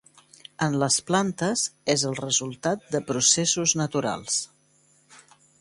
En les plantes és el resultat de processos naturals.